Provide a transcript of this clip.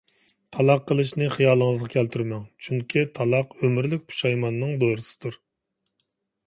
تالاق قىلىشنى خىيالىڭىزغا كەلتۈرمەڭ! چۈنكى، تالاق ئۆمۈرلۈك پۇشايماننىڭ دورىسىدۇر.